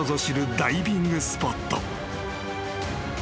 ダイビングスポット］